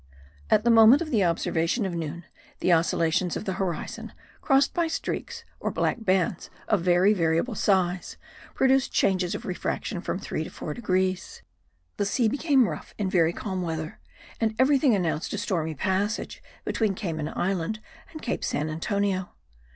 At the moment of the observation of noon the oscillations of the horizon, crossed by streaks or black bands of very variable size, produced changes of refraction from 3 to 4 degrees. The sea became rough in very calm weather and everything announced a stormy passage between Cayman Island and Cape St. Antonio.